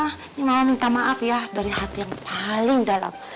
ini mau minta maaf ya dari hati yang paling dalam